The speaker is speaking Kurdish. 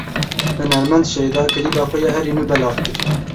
Hunermend Şeyda, klîba xwe ya herî nû belav kir.